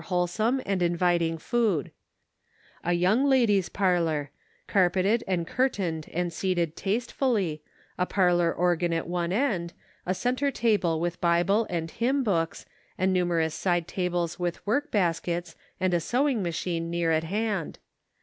485 wholesome and inviting food ; a young ladies' parlor, carpeted and curtained and seated tastefully, a parlor organ at one end, a center table with Bible and hymn books, and numer ous side tables with work baskets, and a sewing machine near at hand.